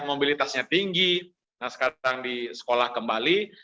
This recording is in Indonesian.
mobilitasnya tinggi nah sekarang di sekolah kembali